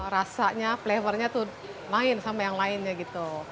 rasanya flavornya tuh main sama yang lainnya gitu